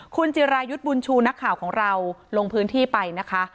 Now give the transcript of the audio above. คุณจิรายุทธ์บุญชูนักข่าวของเราลงพื้นที่ไปนะคะ